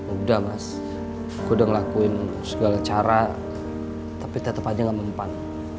udah mas gue udah ngelakuin segala cara tapi tetap aja gak mempan